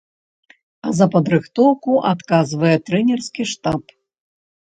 А за падрыхтоўку адказвае трэнерскі штаб.